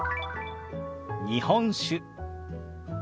「日本酒」。